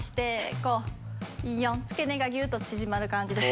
５４付け根がギュッと縮まる感じです。